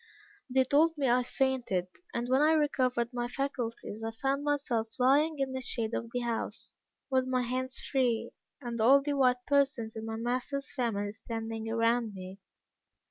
They told me I fainted; and when I recovered my faculties, I found myself lying in the shade of the house, with my hands free, and all the white persons in my master's family standing around me.